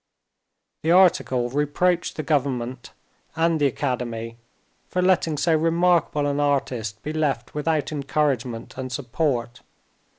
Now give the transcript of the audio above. The article reproached the government and the academy for letting so remarkable an artist be left without encouragement and support.